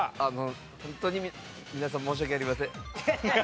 ホントに皆さん申し訳ありません。